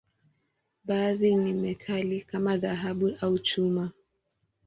Baadhi ni metali, kama dhahabu au chuma.